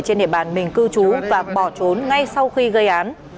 trên địa bàn mình cư trú và bỏ trốn ngay sau khi gây án